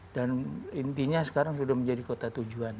dan intinya sekarang sudah menjadi kota tujuan